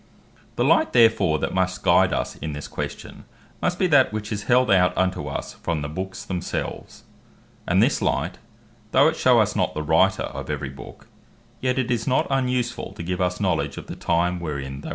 The light therefore that must guide us in this question, must be that which is held out unto us from the Bookes themselves: And this light, though it show us not the writer of every book, yet it is not unusefull to give us knowledge of the time, wherein they were written.